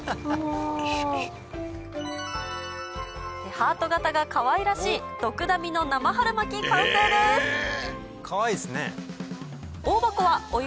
ハート形がかわいらしいドクダミの生春巻き完成ですかわいいっすね。